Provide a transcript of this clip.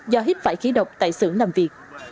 do hít phải khí độc tại xưởng làm việc